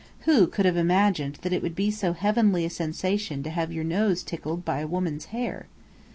Who could have imagined that it would be so heavenly a sensation to have your nose tickled by a woman's hair?